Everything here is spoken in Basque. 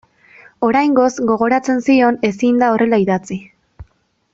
Oraingoz, gogoratzen zion, ezin da horrela idatzi.